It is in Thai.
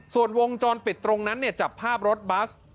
ส่วนวงจรปิดตรงนั้นจับภาพรถบัส